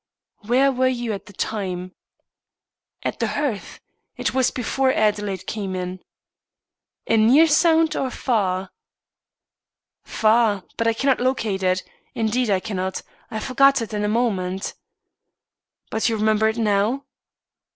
"Where were you at the time?" "At the hearth. It was before Adelaide came in." "A near sound, or a far?" "Far, but I cannot locate it indeed, I cannot. I forgot it in a moment." "But you remember it now?"